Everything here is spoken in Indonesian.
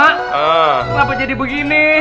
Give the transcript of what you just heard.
kenapa jadi begini